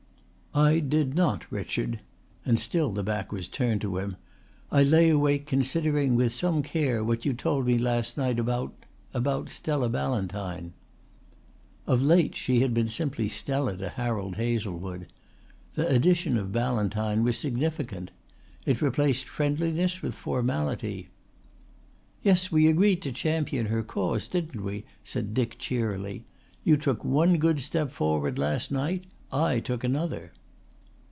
"I did not, Richard," and still the back was turned to him. "I lay awake considering with some care what you told me last night about about Stella Ballantyne." Of late she had been simply Stella to Harold Hazlewood. The addition of Ballantyne was significant. It replaced friendliness with formality. "Yes, we agreed to champion her cause, didn't we?" said Dick cheerily. "You took one good step forward last night, I took another."